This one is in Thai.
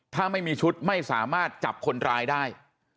ถ้าไม่มีชุดไม่สามารถจับคนร้ายได้